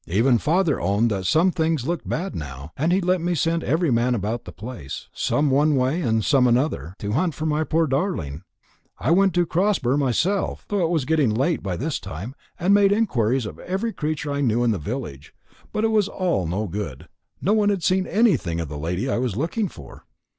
Even father owned that things looked bad now, and he let me send every man about the place some one way, and some another to hunt for my poor darling. I went into Crosber myself, though it was getting late by this time, and made inquiries of every creature I knew in the village; but it was all no good: no one had seen anything of the lady I was looking for."